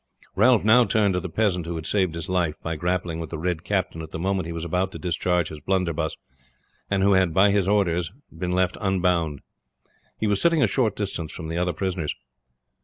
Ralph now turned to the peasant who had saved his life by grappling with the Red Captain at the moment he was about to discharge his blunderbuss, and who had by his orders been left unbound. He was sitting a short distance from the other prisoners.